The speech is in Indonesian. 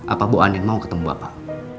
apa bu ani mau ketemu bapak